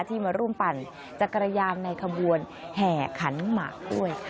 ที่มาร่วมปั่นจักรยานในขบวนแห่ขันหมากด้วย